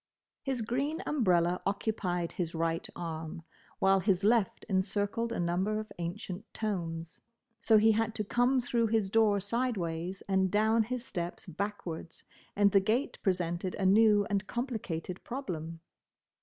His green umbrella occupied his right arm, while his left encircled a number of ancient tomes; so he had to come through his door sideways and down his steps backwards, and the gate presented a new and complicated problem.